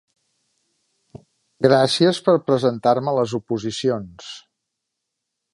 Gràcies per presentar-me a les oposicions.